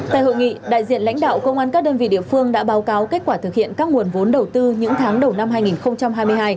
tại hội nghị đại diện lãnh đạo công an các đơn vị địa phương đã báo cáo kết quả thực hiện các nguồn vốn đầu tư những tháng đầu năm hai nghìn hai mươi hai